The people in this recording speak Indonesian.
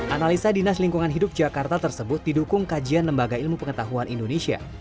analisa dinas lingkungan hidup jakarta tersebut didukung kajian lembaga ilmu pengetahuan indonesia